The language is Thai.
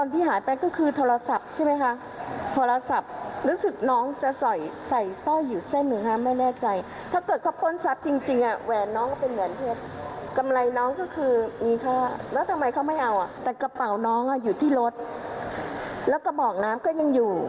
กระเป๋าน้องอยู่ที่รถแล้วกระบอกน้ำก็ยังอยู่